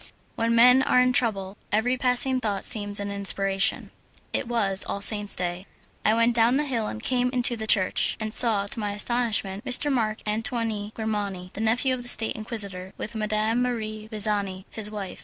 When men are in trouble, every passing thought seems an inspiration. It was All Souls' Day. I went down the hill, and came into the church, and saw, to my astonishment, M. Marc Antoine Grimani, the nephew of the State Inquisitor, with Madame Marie Visani, his wife.